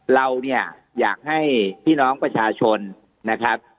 เราเนี่ยอยากให้พี่น้องประชาชนนะครับ